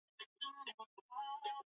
Viazi lishe hivi vina wanga kwa wingi